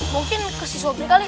mungkin ke si sobri kali